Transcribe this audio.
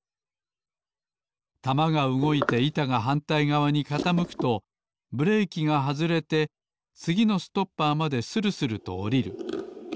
玉がうごいていたがはんたいがわにかたむくとブレーキがはずれてつぎのストッパーまでするするとおりる。